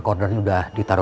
jalan jalan sama lo